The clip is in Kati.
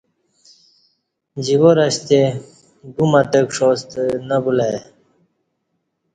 جوار اشتے گُم اتکݜا ستہ نہ بُلہ ای